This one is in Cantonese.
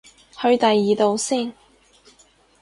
去第二度先